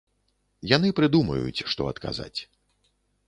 Яны прыдумаюць, што адказаць.